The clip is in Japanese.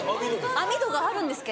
網戸があるんですけど。